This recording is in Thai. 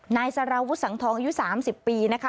นายสารวุฒิสังทองอายุ๓๐ปีนะคะ